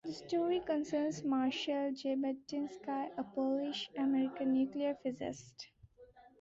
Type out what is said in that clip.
The story concerns Marshall Zebatinsky, a Polish-American nuclear physicist.